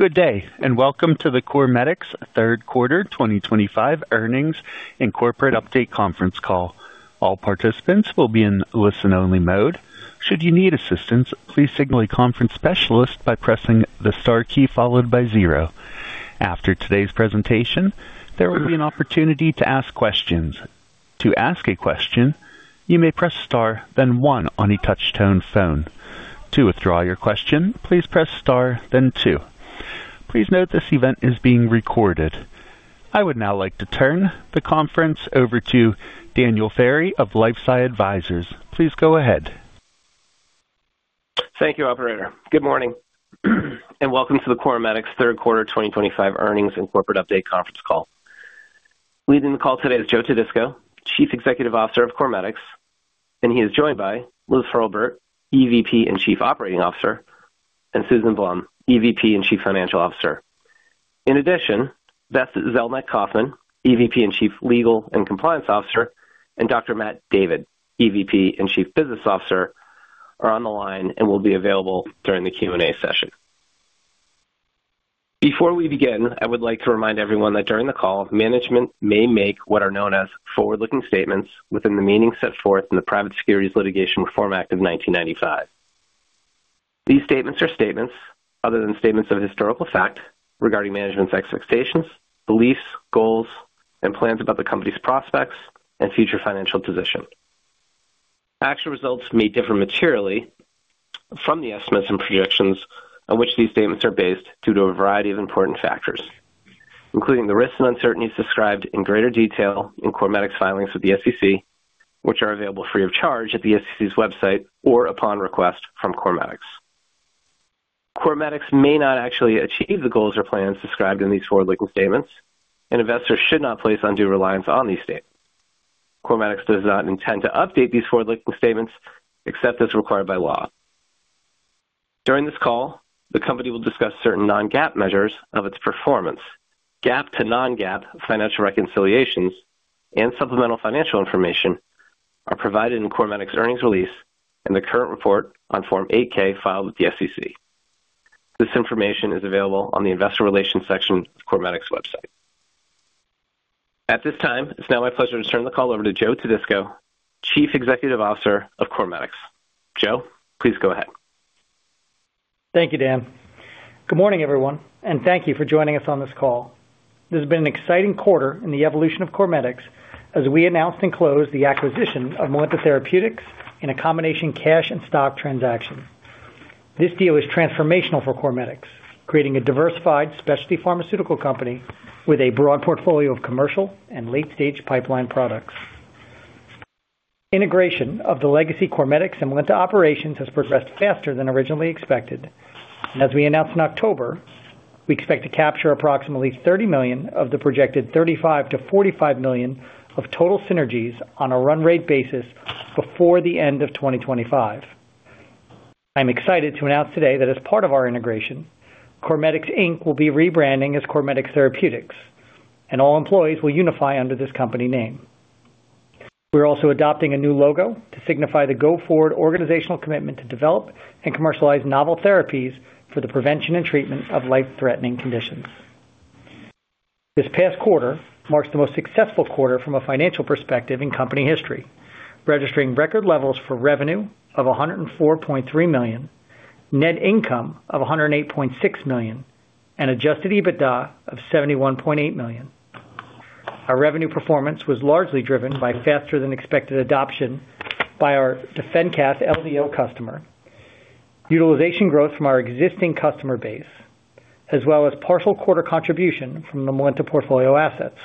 Good day, and welcome to the CorMedix Third Quarter 2025 Earnings and Corporate Update Conference Call. All participants will be in listen-only mode. Should you need assistance, please signal a conference specialist by pressing the star key followed by zero. After today's presentation, there will be an opportunity to ask questions. To ask a question, you may press star, then one on a touch-tone phone. To withdraw your question, please press star, then two. Please note this event is being recorded. I would now like to turn the conference over to Daniel Ferry of LifeSci Advisors. Please go ahead. Thank you, Operator. Good morning, and welcome to the CorMedix third quarter 2025 earnings and corporate update conference call. Leading the call today is Joe Todisco, Chief Executive Officer of CorMedix, and he is joined by Liz Hurlburt, EVP and Chief Operating Officer, and Susan Blount, EVP and Chief Financial Officer. In addition, Beth Zelnick Kaufman, EVP and Chief Legal and Compliance Officer, and Dr. Matt David, EVP and Chief Business Officer, are on the line and will be available during the Q&A session. Before we begin, I would like to remind everyone that during the call, management may make what are known as forward-looking statements within the meaning set forth in the Private Securities Litigation Reform Act of 1995. These statements are statements other than statements of historical fact regarding management's expectations, beliefs, goals, and plans about the company's prospects and future financial position. Actual results may differ materially from the estimates and projections on which these statements are based due to a variety of important factors, including the risks and uncertainties described in greater detail in CorMedix filings with the SEC, which are available free of charge at the SEC's website or upon request from CorMedix. CorMedix may not actually achieve the goals or plans described in these forward-looking statements, and investors should not place undue reliance on these statements. CorMedix does not intend to update these forward-looking statements except as required by law. During this call, the company will discuss certain non-GAAP measures of its performance. GAAP to non-GAAP financial reconciliations and supplemental financial information are provided in CorMedix's earnings release and the current report on Form 8-K filed with the SEC. This information is available on the Investor Relations section of CorMedix's website. At this time, it's now my pleasure to turn the call over to Joe Todisco, Chief Executive Officer of CorMedix. Joe, please go ahead. Thank you, Dan. Good morning, everyone, and thank you for joining us on this call. This has been an exciting quarter in the evolution of CorMedix as we announced and closed the acquisition of Melinta Therapeutics in a combination cash and stock transaction. This deal is transformational for CorMedix, creating a diversified specialty pharmaceutical company with a broad portfolio of commercial and late-stage pipeline products. Integration of the legacy CorMedix and Melinta operations has progressed faster than originally expected, and as we announced in October, we expect to capture approximately $30 million of the projected $35 million-$45 million of total synergies on a run-rate basis before the end of 2025. I'm excited to announce today that as part of our integration, CorMedix Inc will be rebranding as CorMedix Therapeutics, and all employees will unify under this company name. We're also adopting a new logo to signify the go-forward organizational commitment to develop and commercialize novel therapies for the prevention and treatment of life-threatening conditions. This past quarter marks the most successful quarter from a financial perspective in company history, registering record levels for revenue of $104.3 million, net income of $108.6 million, and adjusted EBITDA of $71.8 million. Our revenue performance was largely driven by faster-than-expected adoption by our DefenCath LDO customer, utilization growth from our existing customer base, as well as partial quarter contribution from the Melinta portfolio assets.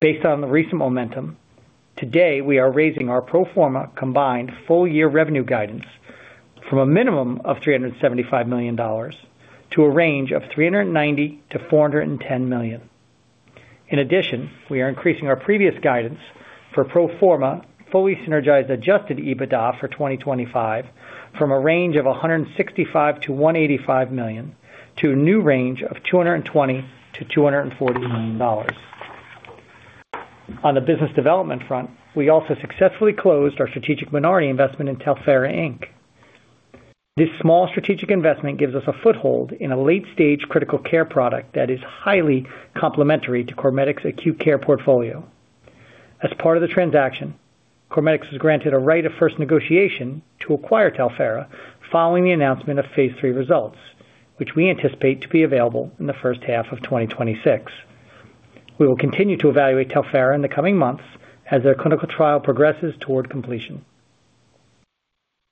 Based on the recent momentum, today we are raising our pro forma combined full-year revenue guidance from a minimum of $375 million to a range of $390 million-$410 million. In addition, we are increasing our previous guidance for pro forma fully synergized adjusted EBITDA for 2025 from a range of $165 million-$185 million to a new range of $220 million-$240 million. On the business development front, we also successfully closed our strategic minority investment in Talphera, Inc. This small strategic investment gives us a foothold in a late-stage critical care product that is highly complementary to CorMedix's acute care portfolio. As part of the transaction, CorMedix was granted a right of first negotiation to acquire Talphera following the announcement of phase III results, which we anticipate to be available in the first half of 2026. We will continue to evaluate Talphera in the coming months as their clinical trial progresses toward completion.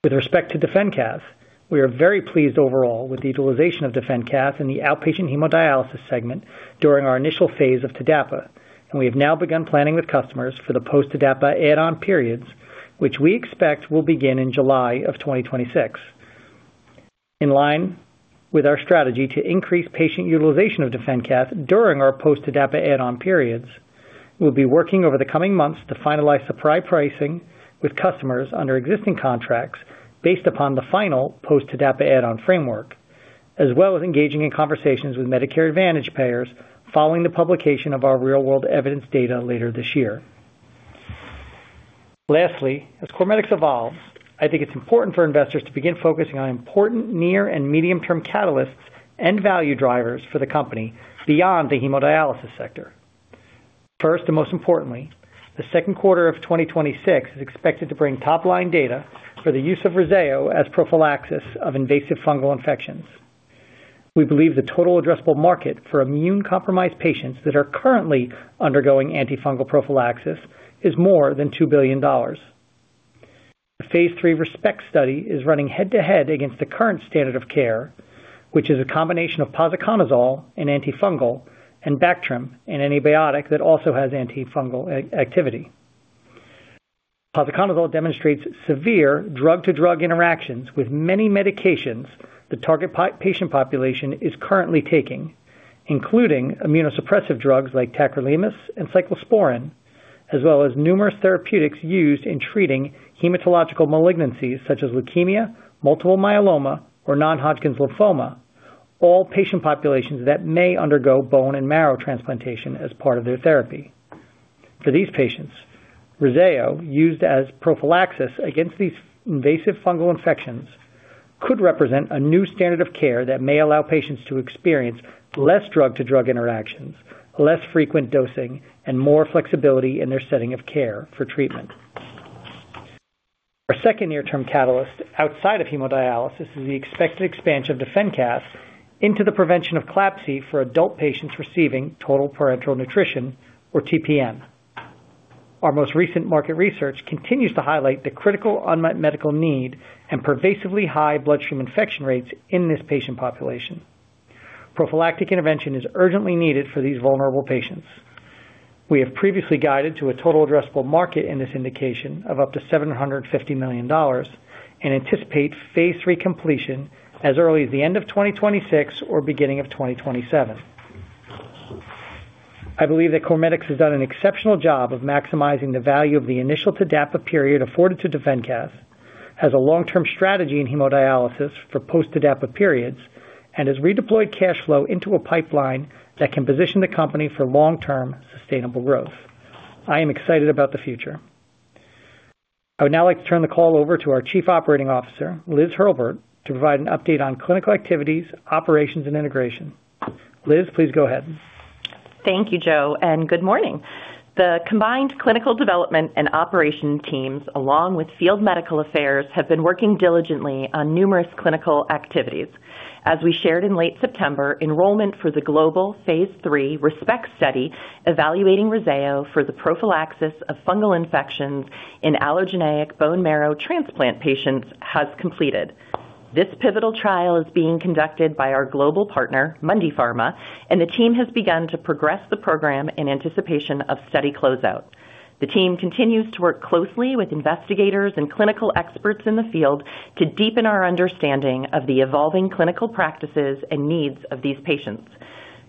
With respect to DefenCath, we are very pleased overall with the utilization of DefenCath in the outpatient hemodialysis segment during our initial phase of TDAPA, and we have now begun planning with customers for the post-TDAPA add-on periods, which we expect will begin in July of 2026. In line with our strategy to increase patient utilization of DefenCath during our post-TDAPA add-on periods, we'll be working over the coming months to finalize supply pricing with customers under existing contracts based upon the final post-TDAPA add-on framework, as well as engaging in conversations with Medicare Advantage payers following the publication of our real-world evidence data later this year. Lastly, as CorMedix evolves, I think it's important for investors to begin focusing on important near and medium-term catalysts and value drivers for the company beyond the hemodialysis sector. First and most importantly, the second quarter of 2026 is expected to bring top-line data for the use of REZZAYO as prophylaxis of invasive fungal infections. We believe the total addressable market for immune-compromised patients that are currently undergoing antifungal prophylaxis is more than $2 billion. The phase III ReSPECT study is running head-to-head against the current standard of care, which is a combination of posaconazole, an antifungal, and Bactrim, an antibiotic that also has antifungal activity. Posaconazole demonstrates severe drug-to-drug interactions with many medications the target patient population is currently taking, including immunosuppressive drugs like tacrolimus and cyclosporine, as well as numerous therapeutics used in treating hematological malignancies such as leukemia, multiple myeloma, or non-Hodgkin's lymphoma, all patient populations that may undergo bone and marrow transplantation as part of their therapy. For these patients, REZZAYO used as prophylaxis against these invasive fungal infections could represent a new standard of care that may allow patients to experience less drug-to-drug interactions, less frequent dosing, and more flexibility in their setting of care for treatment. Our second near-term catalyst outside of hemodialysis is the expected expansion of DefenCath into the prevention of CLABSI for adult patients receiving total parenteral nutrition, or TPN. Our most recent market research continues to highlight the critical unmet medical need and pervasively high bloodstream infection rates in this patient population. Prophylactic intervention is urgently needed for these vulnerable patients. We have previously guided to a total addressable market in this indication of up to $750 million and anticipate phase III completion as early as the end of 2026 or beginning of 2027. I believe that CorMedix has done an exceptional job of maximizing the value of the initial TDAPA period afforded to DefenCath, has a long-term strategy in hemodialysis for post-TDAPA periods, and has redeployed cash flow into a pipeline that can position the company for long-term sustainable growth. I am excited about the future. I would now like to turn the call over to our Chief Operating Officer, Liz Hurlburt, to provide an update on clinical activities, operations, and integration. Liz, please go ahead. Thank you, Joe, and good morning. The combined clinical development and operation teams, along with field medical affairs, have been working diligently on numerous clinical activities. As we shared in late September, enrollment for the global phase III ReSPECT study evaluating REZZAYO for the prophylaxis of fungal infections in allogeneic bone marrow transplant patients has completed. This pivotal trial is being conducted by our global partner, Mundipharma, and the team has begun to progress the program in anticipation of study closeout. The team continues to work closely with investigators and clinical experts in the field to deepen our understanding of the evolving clinical practices and needs of these patients.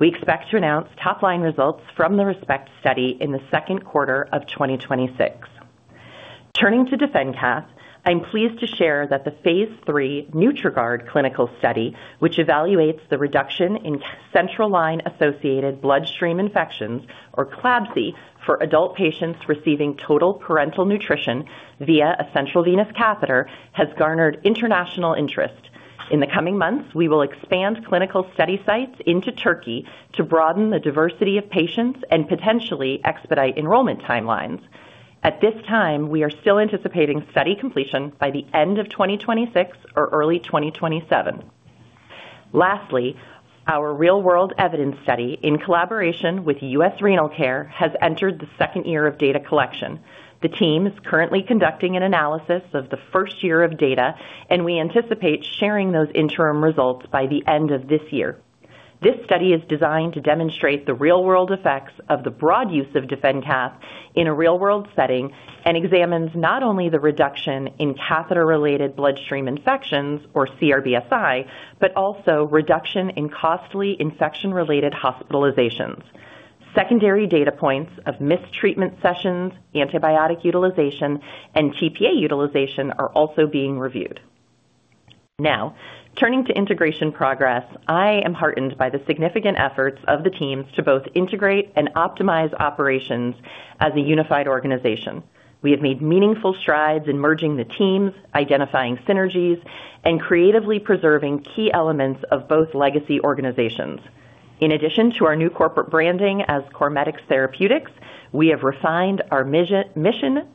We expect to announce top-line results from the ReSPECT study in the second quarter of 2026. Turning to DefenCath, I'm pleased to share that the phase III Nutri-Guard clinical study, which evaluates the reduction in central line-associated bloodstream infections, or CLABSI, for adult patients receiving total parenteral nutrition via a central venous catheter, has garnered international interest. In the coming months, we will expand clinical study sites into Turkey to broaden the diversity of patients and potentially expedite enrollment timelines. At this time, we are still anticipating study completion by the end of 2026 or early 2027. Lastly, our real-world evidence study in collaboration with U.S. Renal Care has entered the second year of data collection. The team is currently conducting an analysis of the first year of data, and we anticipate sharing those interim results by the end of this year. This study is designed to demonstrate the real-world effects of the broad use of DefenCath in a real-world setting and examines not only the reduction in catheter-related bloodstream infections, or CRBSI, but also reduction in costly infection-related hospitalizations. Secondary data points of mistreatment sessions, antibiotic utilization, and TPA utilization are also being reviewed. Now, turning to integration progress, I am heartened by the significant efforts of the teams to both integrate and optimize operations as a unified organization. We have made meaningful strides in merging the teams, identifying synergies, and creatively preserving key elements of both legacy organizations. In addition to our new corporate branding as CorMedix Therapeutics, we have refined our mission,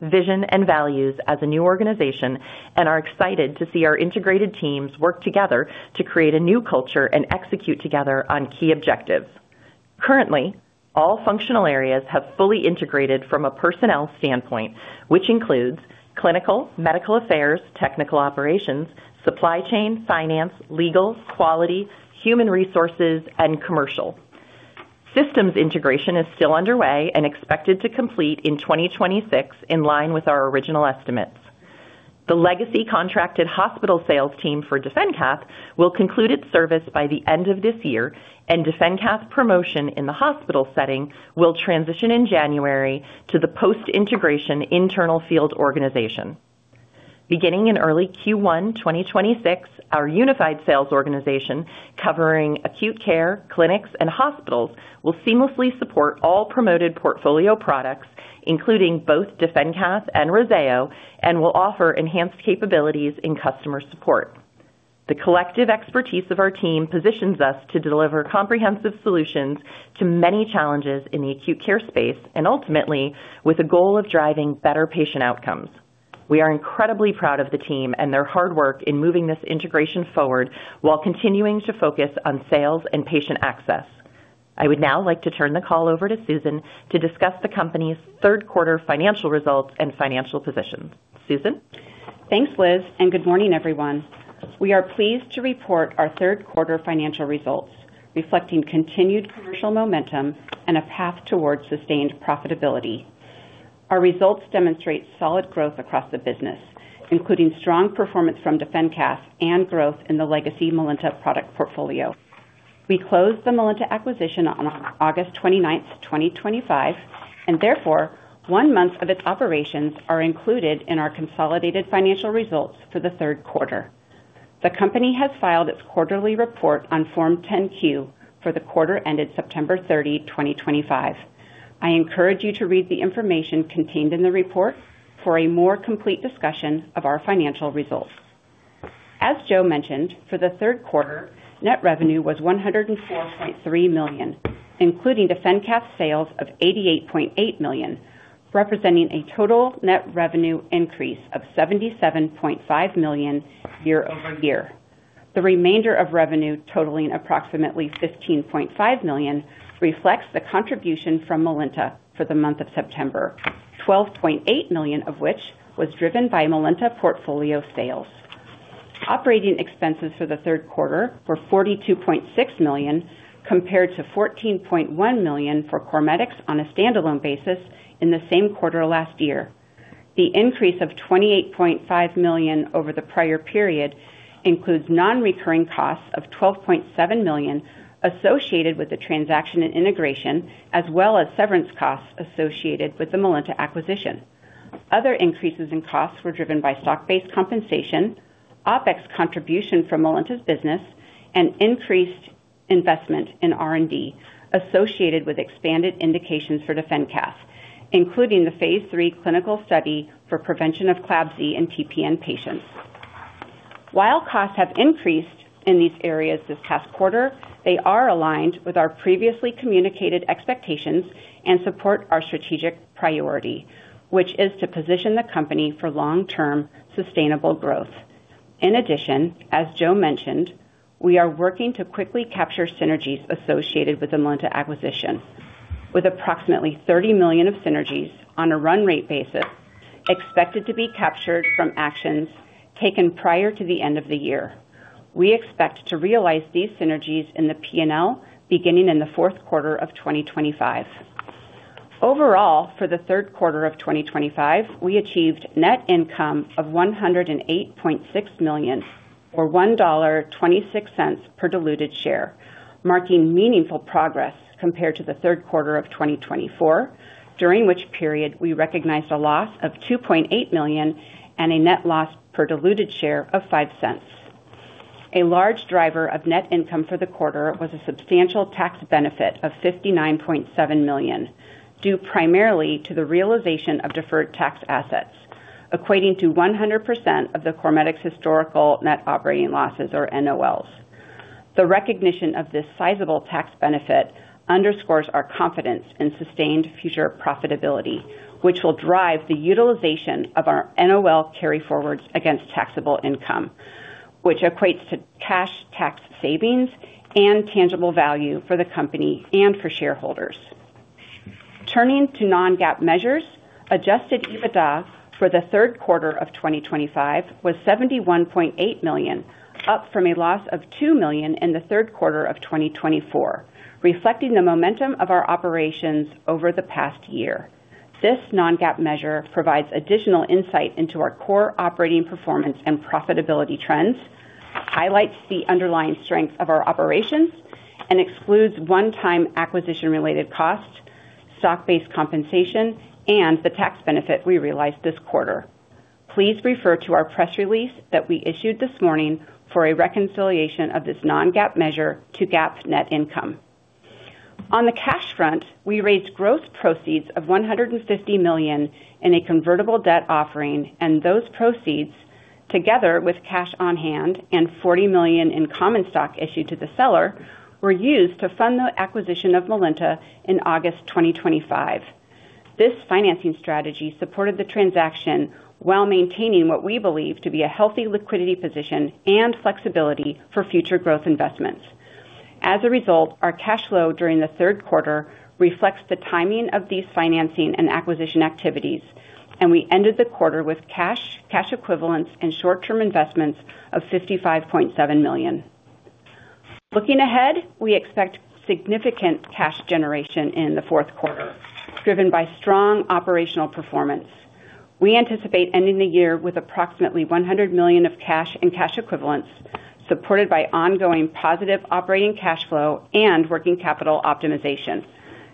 vision, and values as a new organization and are excited to see our integrated teams work together to create a new culture and execute together on key objectives. Currently, all functional areas have fully integrated from a personnel standpoint, which includes clinical, medical affairs, technical operations, supply chain, finance, legal, quality, human resources, and commercial. Systems integration is still underway and expected to complete in 2026 in line with our original estimates. The legacy contracted hospital sales team for DefenCath will conclude its service by the end of this year, and DefenCath promotion in the hospital setting will transition in January to the post-integration internal field organization. Beginning in early Q1 2026, our unified sales organization covering acute care, clinics, and hospitals will seamlessly support all promoted portfolio products, including both DefenCath and REZZAYO, and will offer enhanced capabilities in customer support. The collective expertise of our team positions us to deliver comprehensive solutions to many challenges in the acute care space and ultimately with a goal of driving better patient outcomes. We are incredibly proud of the team and their hard work in moving this integration forward while continuing to focus on sales and patient access. I would now like to turn the call over to Susan to discuss the company's third quarter financial results and financial position. Susan? Thanks, Liz, and good morning, everyone. We are pleased to report our third quarter financial results reflecting continued commercial momentum and a path toward sustained profitability. Our results demonstrate solid growth across the business, including strong performance from DefenCath and growth in the legacy Melinta product portfolio. We closed the Melinta acquisition on August 29, 2025, and therefore one month of its operations are included in our consolidated financial results for the third quarter. The company has filed its quarterly report on Form 10-Q for the quarter ended September 30, 2025. I encourage you to read the information contained in the report for a more complete discussion of our financial results. As Joe mentioned, for the third quarter, net revenue was $104.3 million, including DefenCath sales of $88.8 million, representing a total net revenue increase of $77.5 million year over year. The remainder of revenue, totaling approximately $15.5 million, reflects the contribution from Melinta for the month of September, $12.8 million of which was driven by Melinta portfolio sales. Operating expenses for the third quarter were $42.6 million compared to $14.1 million for CorMedix on a standalone basis in the same quarter last year. The increase of $28.5 million over the prior period includes non-recurring costs of $12.7 million associated with the transaction and integration, as well as severance costs associated with the Melinta acquisition. Other increases in costs were driven by stock-based compensation, OpEx contribution from Melinta's business, and increased investment in R&D associated with expanded indications for DefenCath, including the phase III clinical study for prevention of CLABSI and TPN patients. While costs have increased in these areas this past quarter, they are aligned with our previously communicated expectations and support our strategic priority, which is to position the company for long-term sustainable growth. In addition, as Joe mentioned, we are working to quickly capture synergies associated with the Melinta acquisition. With approximately $30 million of synergies on a run rate basis expected to be captured from actions taken prior to the end of the year, we expect to realize these synergies in the P&L beginning in the fourth quarter of 2025. Overall, for the third quarter of 2025, we achieved net income of $108.6 million or $1.26 per diluted share, marking meaningful progress compared to the third quarter of 2024, during which period we recognized a loss of $2.8 million and a net loss per diluted share of $0.05. A large driver of net income for the quarter was a substantial tax benefit of $59.7 million due primarily to the realization of deferred tax assets, equating to 100% of the CorMedix historical net operating losses, or NOLs. The recognition of this sizable tax benefit underscores our confidence in sustained future profitability, which will drive the utilization of our NOL carryforwards against taxable income, which equates to cash tax savings and tangible value for the company and for shareholders. Turning to non-GAAP measures, adjusted EBITDA for the third quarter of 2025 was $71.8 million, up from a loss of $2 million in the third quarter of 2024, reflecting the momentum of our operations over the past year. This non-GAAP measure provides additional insight into our core operating performance and profitability trends, highlights the underlying strength of our operations, and excludes one-time acquisition-related costs, stock-based compensation, and the tax benefit we realized this quarter. Please refer to our press release that we issued this morning for a reconciliation of this non-GAAP measure to GAAP net income. On the cash front, we raised gross proceeds of $150 million in a convertible debt offering, and those proceeds, together with cash on hand and $40 million in common stock issued to the seller, were used to fund the acquisition of Melinta in August 2025. This financing strategy supported the transaction while maintaining what we believe to be a healthy liquidity position and flexibility for future growth investments. As a result, our cash flow during the third quarter reflects the timing of these financing and acquisition activities, and we ended the quarter with cash, cash equivalents, and short-term investments of $55.7 million. Looking ahead, we expect significant cash generation in the fourth quarter, driven by strong operational performance. We anticipate ending the year with approximately $100 million of cash and cash equivalents, supported by ongoing positive operating cash flow and working capital optimization.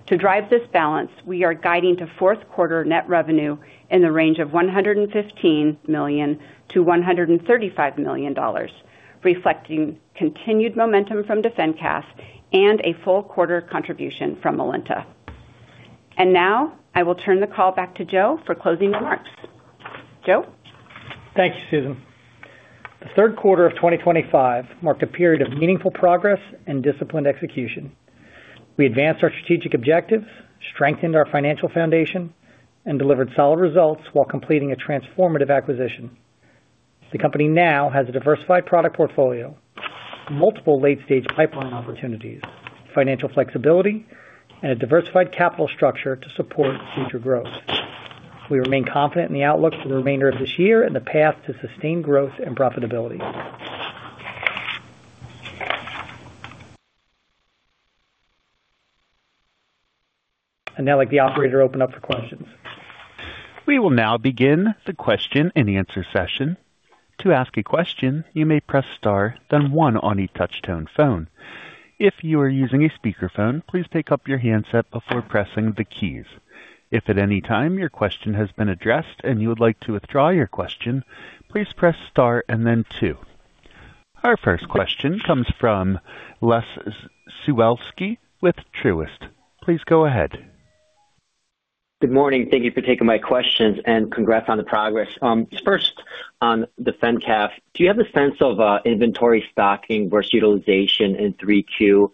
To drive this balance, we are guiding to fourth quarter net revenue in the range of $115 million-$135 million, reflecting continued momentum from DefenCath and a full quarter contribution from Melinta. I will turn the call back to Joe for closing remarks. Joe? Thank you, Susan. The third quarter of 2025 marked a period of meaningful progress and disciplined execution. We advanced our strategic objectives, strengthened our financial foundation, and delivered solid results while completing a transformative acquisition. The company now has a diversified product portfolio, multiple late-stage pipeline opportunities, financial flexibility, and a diversified capital structure to support future growth. We remain confident in the outlook for the remainder of this year and the path to sustained growth and profitability. I'd like the operator to open up for questions. We will now begin the question and answer session. To ask a question, you may press star, then one on a touch-tone phone. If you are using a speakerphone, please pick up your handset before pressing the keys. If at any time your question has been addressed and you would like to withdraw your question, please press star and then two. Our first question comes from Les Sulewski with Truist. Please go ahead. Good morning. Thank you for taking my questions and congrats on the progress. First, on DefenCath, do you have a sense of inventory stocking versus utilization in 3Q?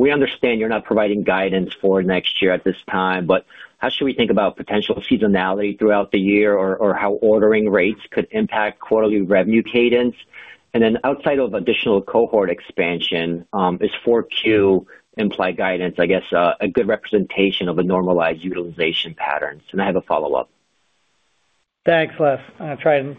We understand you're not providing guidance for next year at this time, but how should we think about potential seasonality throughout the year or how ordering rates could impact quarterly revenue cadence? Outside of additional cohort expansion, is 4Q implied guidance, I guess, a good representation of a normalized utilization pattern? I have a follow-up. Thanks, Les. I'll try and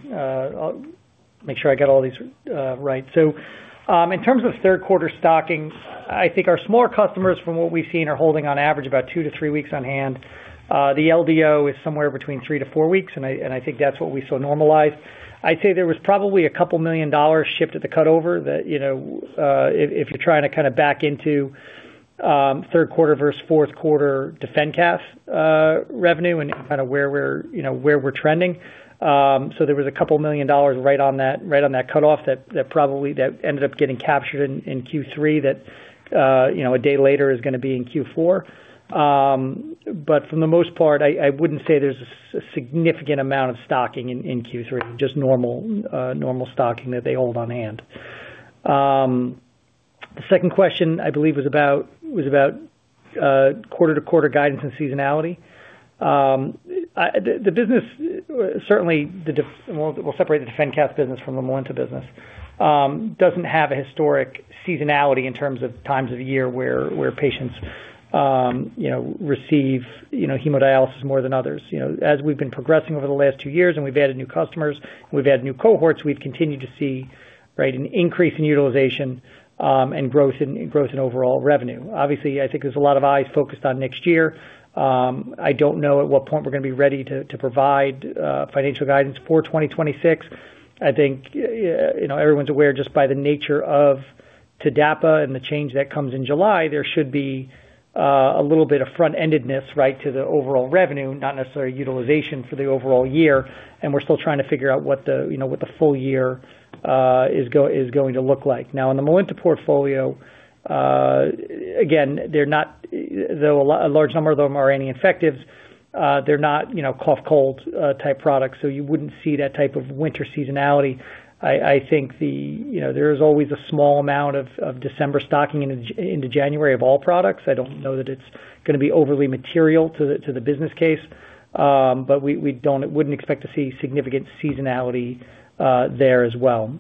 make sure I got all these right. In terms of third-quarter stocking, I think our smaller customers, from what we've seen, are holding on average about two to three weeks on hand. The LDO is somewhere between three to four weeks, and I think that's what we saw normalize. I'd say there was probably a couple million dollars shipped at the cutover that if you're trying to kind of back into third quarter versus fourth quarter DefenCath revenue and kind of where we're trending. There was a couple million dollars right on that cutoff that probably ended up getting captured in Q3 that a day later is going to be in Q4. For the most part, I wouldn't say there's a significant amount of stocking in Q3, just normal stocking that they hold on hand. The second question, I believe, was about quarter-to-quarter guidance and seasonality. The business, certainly, we'll separate the DefenCath business from the Melinta business, doesn't have a historic seasonality in terms of times of year where patients receive hemodialysis more than others. As we've been progressing over the last two years and we've added new customers, we've added new cohorts, we've continued to see an increase in utilization and growth in overall revenue. Obviously, I think there's a lot of eyes focused on next year. I don't know at what point we're going to be ready to provide financial guidance for 2026. I think everyone's aware just by the nature of TDAPA and the change that comes in July, there should be a little bit of front-endedness to the overall revenue, not necessarily utilization for the overall year. We're still trying to figure out what the full year is going to look like. Now, in the Melinta portfolio, again, they're not, though a large number of them are anti-infectives, they're not cough cold-type products, so you wouldn't see that type of winter seasonality. I think there is always a small amount of December stocking into January of all products. I don't know that it's going to be overly material to the business case, but we wouldn't expect to see significant seasonality there as well.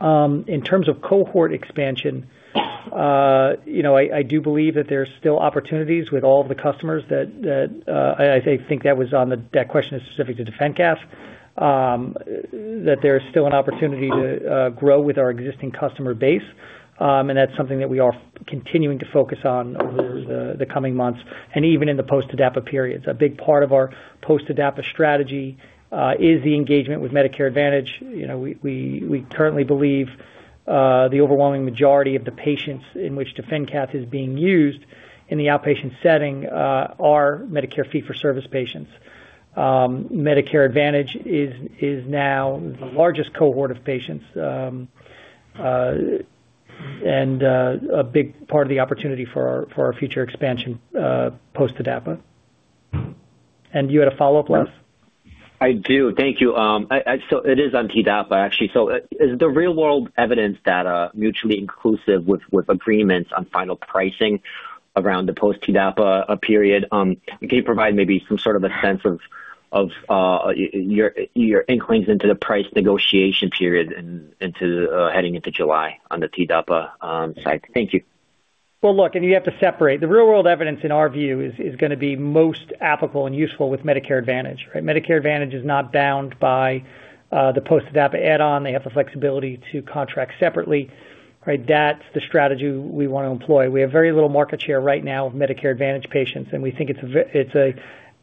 In terms of cohort expansion, I do believe that there's still opportunities with all of the customers that I think that question is specific to DefenCath, that there is still an opportunity to grow with our existing customer base, and that's something that we are continuing to focus on over the coming months and even in the post-TDAPA periods. A big part of our post-TDAPA strategy is the engagement with Medicare Advantage. We currently believe the overwhelming majority of the patients in which DefenCath is being used in the outpatient setting are Medicare fee-for-service patients. Medicare Advantage is now the largest cohort of patients and a big part of the opportunity for our future expansion post-TDAPA. You had a follow-up, Les? I do. Thank you. It is on TDAPA, actually. Is the real-world evidence that mutually inclusive with agreements on final pricing around the post-TDAPA period? Can you provide maybe some sort of a sense of your inklings into the price negotiation period heading into July on the TDAPA side? Thank you. Look, you have to separate. The real-world evidence, in our view, is going to be most applicable and useful with Medicare Advantage. Medicare Advantage is not bound by the post-TDAPA add-on. They have the flexibility to contract separately. That's the strategy we want to employ. We have very little market share right now of Medicare Advantage patients, and we think it's a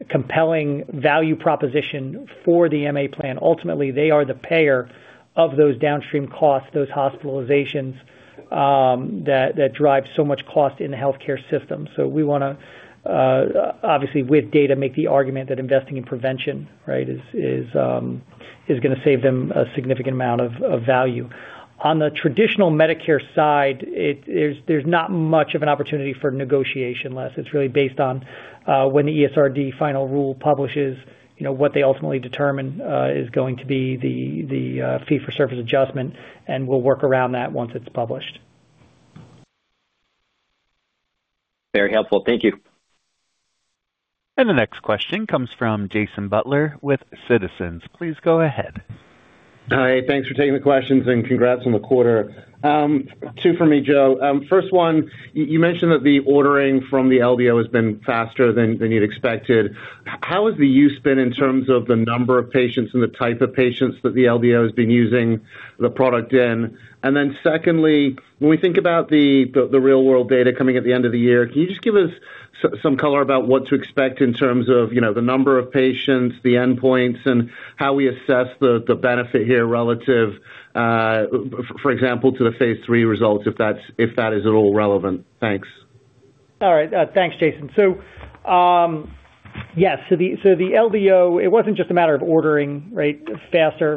compelling value proposition for the MA plan. Ultimately, they are the payer of those downstream costs, those hospitalizations that drive so much cost in the healthcare system. We want to, obviously, with data, make the argument that investing in prevention is going to save them a significant amount of value. On the traditional Medicare side, there's not much of an opportunity for negotiation, Les. It's really based on when the ESRD final rule publishes, what they ultimately determine is going to be the fee-for-service adjustment, and we'll work around that once it's published. Very helpful. Thank you. The next question comes from Jason Butler with Citizens. Please go ahead. Hi. Thanks for taking the questions and congrats on the quarter. Two for me, Joe. First one, you mentioned that the ordering from the LDO has been faster than you'd expected. How has the use been in terms of the number of patients and the type of patients that the LDO has been using the product in? Secondly, when we think about the real-world data coming at the end of the year, can you just give us some color about what to expect in terms of the number of patients, the endpoints, and how we assess the benefit here relative, for example, to the phase three results, if that is at all relevant? Thanks. All right. Thanks, Jason. Yes, the LDO, it wasn't just a matter of ordering faster.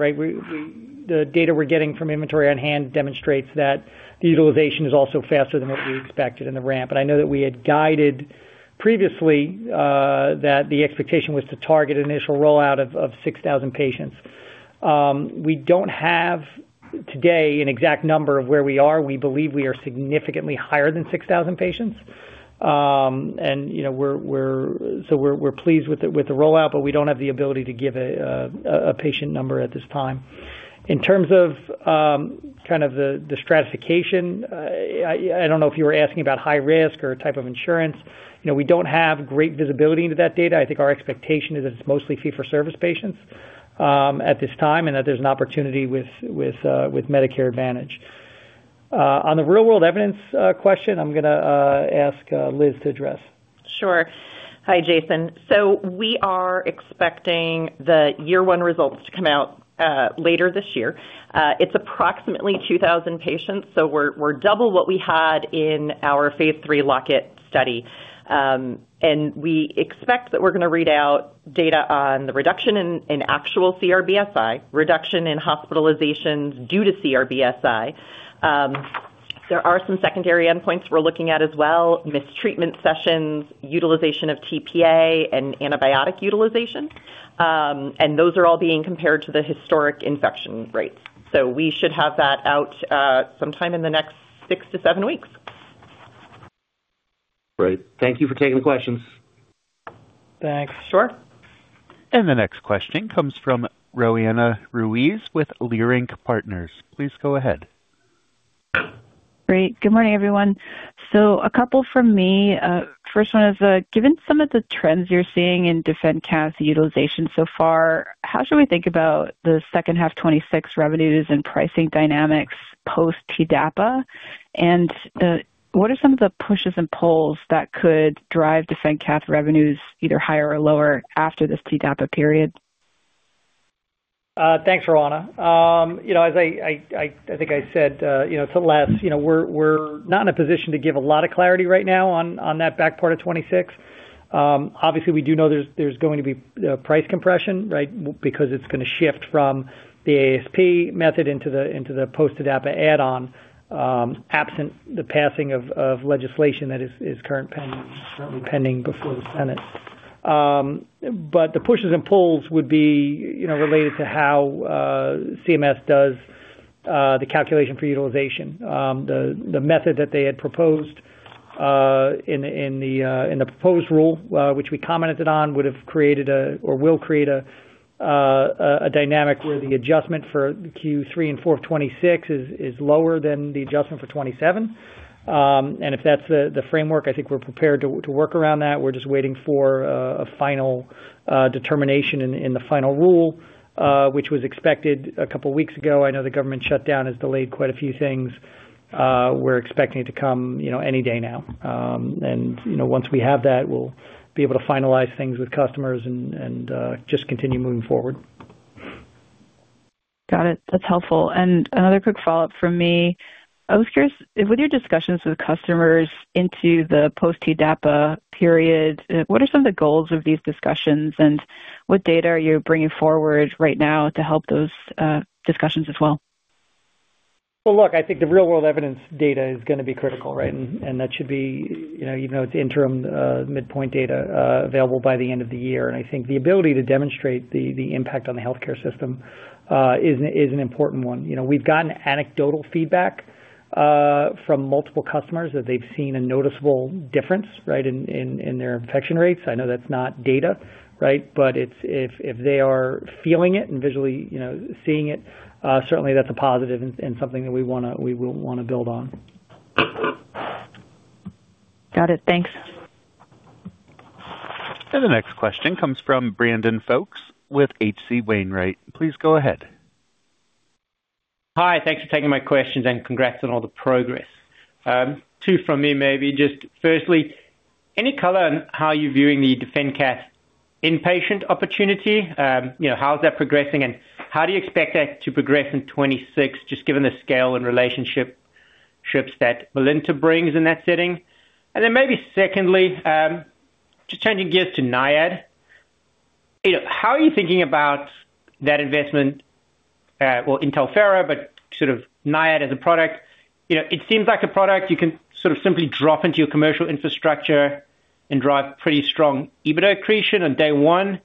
The data we're getting from inventory on hand demonstrates that the utilization is also faster than what we expected in the ramp. I know that we had guided previously that the expectation was to target initial rollout of 6,000 patients. We don't have today an exact number of where we are. We believe we are significantly higher than 6,000 patients. We're pleased with the rollout, but we don't have the ability to give a patient number at this time. In terms of kind of the stratification, I don't know if you were asking about high risk or type of insurance. We don't have great visibility into that data. I think our expectation is that it's mostly fee-for-service patients at this time and that there's an opportunity with Medicare Advantage. On the real-world evidence question, I'm going to ask Liz to address. Sure. Hi, Jason. We are expecting the year-one results to come out later this year. It's approximately 2,000 patients, so we're double what we had in our phase III locket study. We expect that we're going to read out data on the reduction in actual CRBSI, reduction in hospitalizations due to CRBSI. There are some secondary endpoints we're looking at as well: mistreatment sessions, utilization of TPA, and antibiotic utilization. Those are all being compared to the historic infection rates. We should have that out sometime in the next six to seven weeks. Great. Thank you for taking the questions. Thanks. Sure. The next question comes from Roanna Ruiz with Leerink Partners. Please go ahead. Great. Good morning, everyone. A couple from me. First one is, given some of the trends you're seeing in DefenCath utilization so far, how should we think about the second half 2026 revenues and pricing dynamics post-TDAPA? What are some of the pushes and pulls that could drive DefenCath revenues either higher or lower after this TDAPA period? Thanks, Roanna. As I think I said to Les, we're not in a position to give a lot of clarity right now on that back part of 2026. Obviously, we do know there's going to be price compression because it's going to shift from the ASP method into the post-TDAPA add-on absent the passing of legislation that is currently pending before the Senate. The pushes and pulls would be related to how CMS does the calculation for utilization. The method that they had proposed in the proposed rule, which we commented on, would have created or will create a dynamic where the adjustment for Q3 and 4 of 2026 is lower than the adjustment for 2027. If that's the framework, I think we're prepared to work around that. We're just waiting for a final determination in the final rule, which was expected a couple of weeks ago. I know the government shutdown has delayed quite a few things. We're expecting it to come any day now. Once we have that, we'll be able to finalize things with customers and just continue moving forward. Got it. That's helpful. Another quick follow-up from me. I was curious, with your discussions with customers into the post-TDAPA period, what are some of the goals of these discussions? What data are you bringing forward right now to help those discussions as well? I think the real-world evidence data is going to be critical, and that should be, even though it's interim, midpoint data available by the end of the year. I think the ability to demonstrate the impact on the healthcare system is an important one. We've gotten anecdotal feedback from multiple customers that they've seen a noticeable difference in their infection rates. I know that's not data, but if they are feeling it and visually seeing it, certainly that's a positive and something that we will want to build on. Got it. Thanks. The next question comes from Brandon Foakes with HC Wainwright. Please go ahead. Hi. Thanks for taking my questions and congrats on all the progress. Two from me, maybe. Just firstly, any color on how you're viewing the DefenCath inpatient opportunity? How is that progressing? How do you expect that to progress in 2026, just given the scale and relationships that Melinta brings in that setting? Maybe secondly, just changing gears to NIAID. How are you thinking about that investment? [Talphera], but sort of NIAID as a product. It seems like a product you can sort of simply drop into your commercial infrastructure and drive pretty strong EBITDA accretion on day one.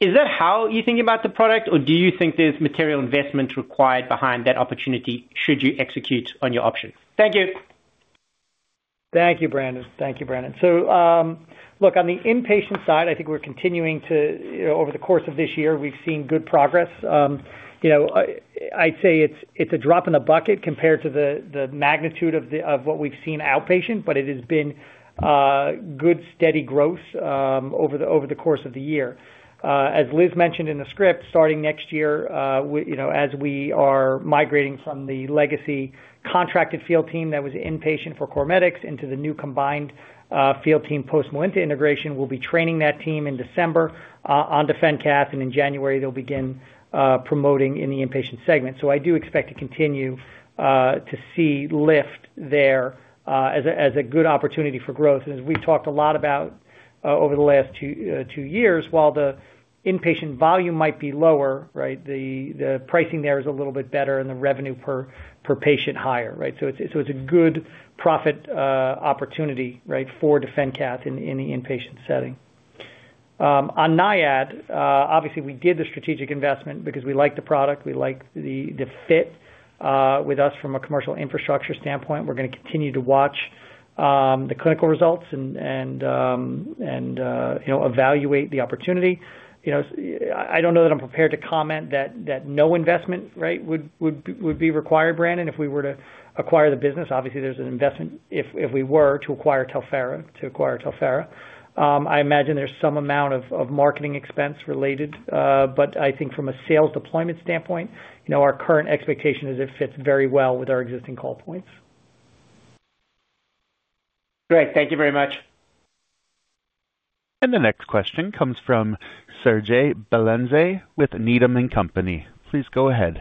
Is that how you're thinking about the product, or do you think there's material investment required behind that opportunity should you execute on your option? Thank you. Thank you, Brandon. So look, on the inpatient side, I think we're continuing to, over the course of this year, we've seen good progress. I'd say it's a drop in the bucket compared to the magnitude of what we've seen outpatient, but it has been good, steady growth over the course of the year. As Liz mentioned in the script, starting next year, as we are migrating from the legacy contracted field team that was inpatient for CorMedix into the new combined field team post-Melinta integration, we'll be training that team in December on DefenCath, and in January, they'll begin promoting in the inpatient segment. I do expect to continue to see lift there as a good opportunity for growth. As we have talked a lot about over the last two years, while the inpatient volume might be lower, the pricing there is a little bit better and the revenue per patient higher. It is a good profit opportunity for DefenCath in the inpatient setting. On NIAID, obviously, we did the strategic investment because we like the product. We like the fit with us from a commercial infrastructure standpoint. We are going to continue to watch the clinical results and evaluate the opportunity. I do not know that I am prepared to comment that no investment would be required, Brandon, if we were to acquire the business. Obviously, there is an investment if we were to acquire Talphera. I imagine there is some amount of marketing expense related, but I think from a sales deployment standpoint, our current expectation is it fits very well with our existing call points. Great. Thank you very much. The next question comes from Serge Belanger with Needham & Company. Please go ahead.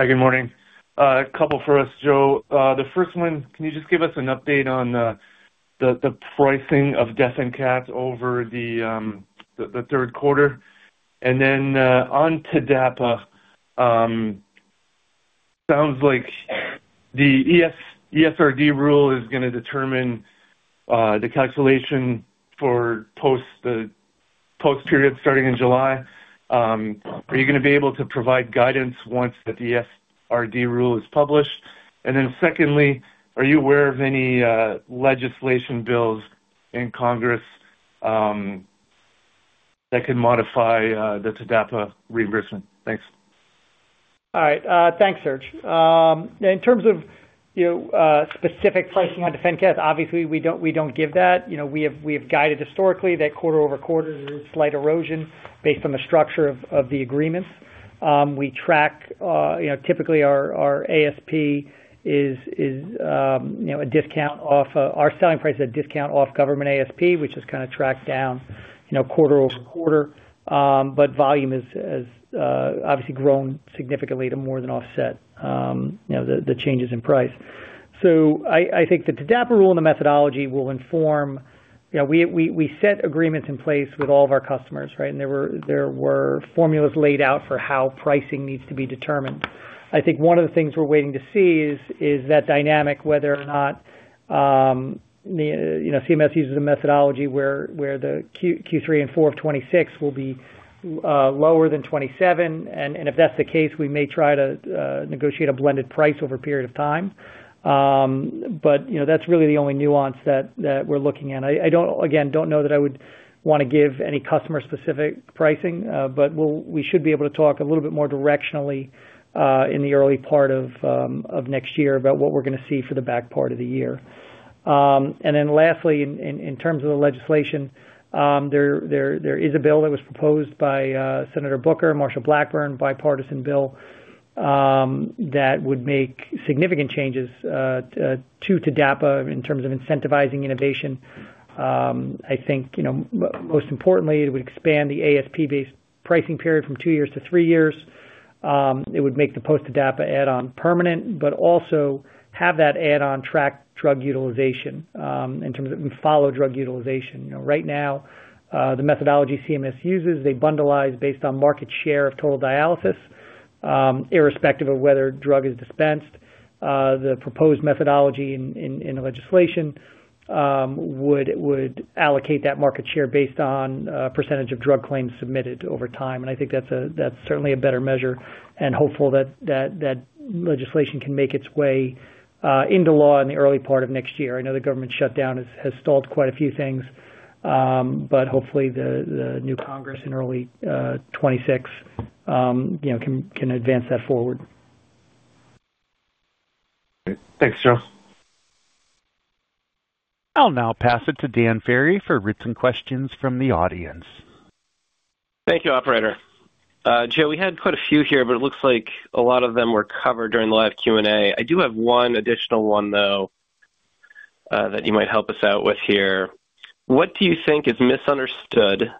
Hi, good morning. A couple for us, Joe. The first one, can you just give us an update on the pricing of DefenCath over the third quarter? Then on TDAPA, sounds like the ESRD rule is going to determine the calculation for post-period starting in July. Are you going to be able to provide guidance once the ESRD rule is published? Secondly, are you aware of any legislation bills in Congress that can modify the TDAPA reimbursement? Thanks. All right. Thanks, Serge. In terms of specific pricing on DefenCath, obviously, we don't give that. We have guided historically that quarter over quarter there is slight erosion based on the structure of the agreements. We track typically our ASP is a discount off our selling price is a discount off government ASP, which is kind of tracked down quarter over quarter, but volume has obviously grown significantly to more than offset the changes in price. I think the TDAPA rule and the methodology will inform we set agreements in place with all of our customers, and there were formulas laid out for how pricing needs to be determined. I think one of the things we're waiting to see is that dynamic, whether or not CMS uses a methodology where the Q3 and 4 of 2026 will be lower than 2027. If that's the case, we may try to negotiate a blended price over a period of time. That's really the only nuance that we're looking at. I again don't know that I would want to give any customer-specific pricing, but we should be able to talk a little bit more directionally in the early part of next year about what we're going to see for the back part of the year. Lastly, in terms of the legislation, there is a bill that was proposed by Senator Booker, Marshall Blackburn, bipartisan bill that would make significant changes to TDAPA in terms of incentivizing innovation. I think most importantly, it would expand the ASP-based pricing period from two years to three years. It would make the post-TDAPA add-on permanent, but also have that add-on track drug utilization in terms of follow drug utilization. Right now, the methodology CMS uses, they bundle based on market share of total dialysis, irrespective of whether drug is dispensed. The proposed methodology in the legislation would allocate that market share based on percentage of drug claims submitted over time. I think that's certainly a better measure and hopeful that legislation can make its way into law in the early part of next year. I know the government shutdown has stalled quite a few things, but hopefully the new Congress in early 2026 can advance that forward. Thanks, Joe. I'll now pass it to Dan Ferry for written questions from the audience. Thank you, Operator. Joe, we had quite a few here, but it looks like a lot of them were covered during the live Q&A. I do have one additional one, though, that you might help us out with here. What do you think is misunderstood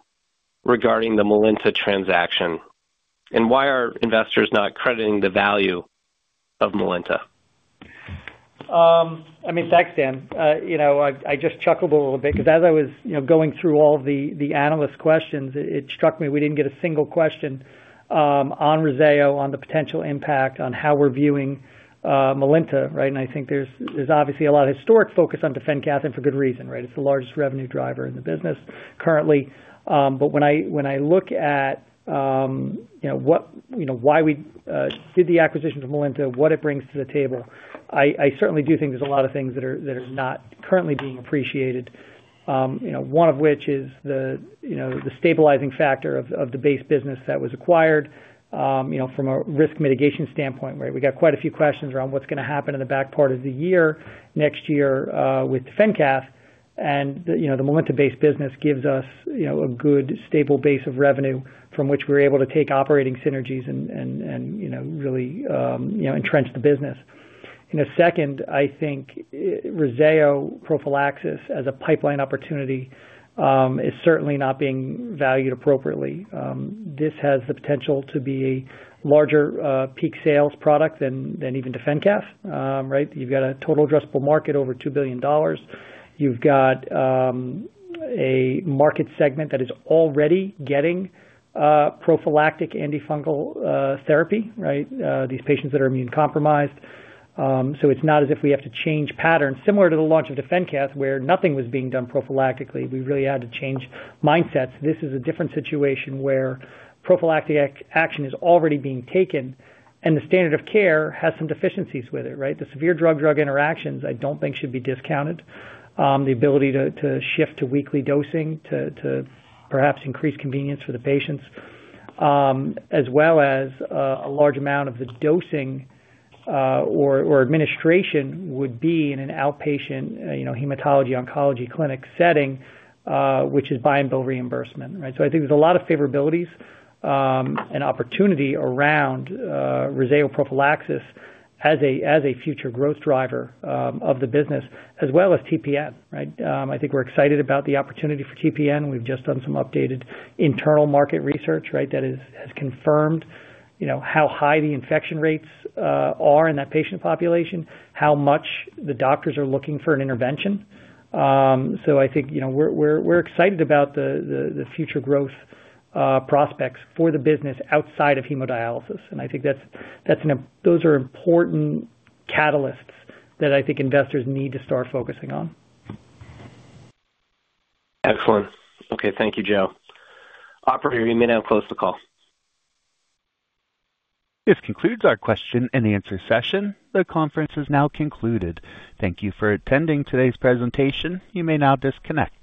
regarding the Melinta transaction? And why are investors not crediting the value of Melinta? I mean, thanks, Dan. I just chuckled a little bit because as I was going through all the analyst questions, it struck me we did not get a single question on REZZAYOon the potential impact on how we are viewing Melinta. I think there is obviously a lot of historic focus on DefenCath for good reason. It is the largest revenue driver in the business currently. When I look at why we did the acquisition of Melinta, what it brings to the table, I certainly do think there are a lot of things that are not currently being appreciated, one of which is the stabilizing factor of the base business that was acquired from a risk mitigation standpoint. We got quite a few questions around what is going to happen in the back part of the year next year with DefenCath. The Melinta-based business gives us a good stable base of revenue from which we're able to take operating synergies and really entrench the business. Second, I think REZZAYO prophylaxis as a pipeline opportunity is certainly not being valued appropriately. This has the potential to be a larger peak sales product than even DefenCath. You've got a total addressable market over $2 billion. You've got a market segment that is already getting prophylactic antifungal therapy, these patients that are immune compromised. It's not as if we have to change patterns. Similar to the launch of DefenCath, where nothing was being done prophylactically, we really had to change mindsets. This is a different situation where prophylactic action is already being taken, and the standard of care has some deficiencies with it. The severe drug-drug interactions, I don't think should be discounted. The ability to shift to weekly dosing to perhaps increase convenience for the patients, as well as a large amount of the dosing or administration would be in an outpatient hematology-oncology clinic setting, which is buy-and-bill reimbursement. I think there's a lot of favorabilities and opportunity around REZZAYO prophylaxis as a future growth driver of the business, as well as TPN. I think we're excited about the opportunity for TPN. We've just done some updated internal market research that has confirmed how high the infection rates are in that patient population, how much the doctors are looking for an intervention. I think we're excited about the future growth prospects for the business outside of hemodialysis. I think those are important catalysts that I think investors need to start focusing on. Excellent. Okay. Thank you, Joe. Operator, you may now close the call. This concludes our question and answer session. The conference is now concluded. Thank you for attending today's presentation. You may now disconnect.